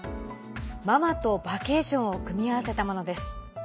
ママとバケーションを組み合わせたものです。